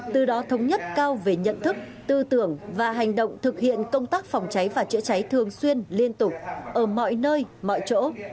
từ đó thống nhất cao về nhận thức tư tưởng và hành động thực hiện công tác phòng cháy và chữa cháy thường xuyên liên tục ở mọi nơi mọi chỗ